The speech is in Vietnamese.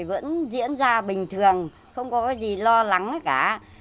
vẫn diễn ra bình thường không có cái gì lo lắng cả